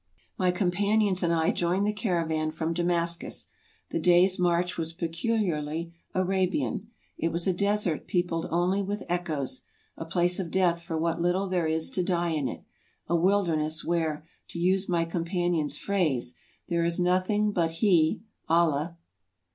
My companions and I joined the caravan from Damas cus. The day's march was peculiarly Arabian. It was a desert peopled only with echoes — a place of death for what little there is to die in it — a wilderness, where, to use my companion's phrase, there is nothing but He (Allah).